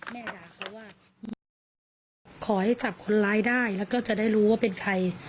อยากรู้ว่าแม่ขอให้จับคนร้ายได้แล้วก็จะได้รู้ว่าเป็นใคร